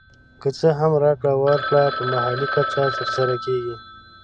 که څه هم راکړه ورکړه په محلي کچه تر سره کېږي